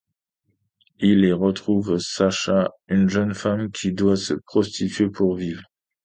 Il y retrouve Sacha, une jeune femme qui doit se prostituer pour vivre.